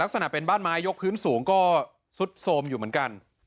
ลักษณะเป็นบ้านไม้ยกพื้นสูงก็ซุดโทรมอยู่เหมือนกัน